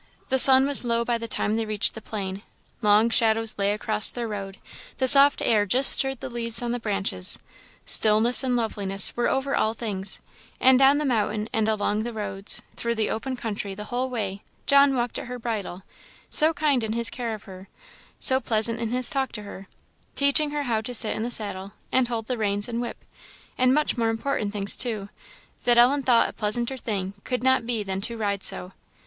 The sun was low by the time they reached the plain; long shadows lay across their road; the soft air just stirred the leaves on the branches; stillness and loveliness were over all things; and down the mountain and along the roads, through the open country, the whole way, John walked at her bridle; so kind in his care of her, so pleasant in his talk to her, teaching her how to sit in the saddle, and hold the reins and whip, and much more important things, too, that Ellen thought a pleasanter thing could not be than to ride so.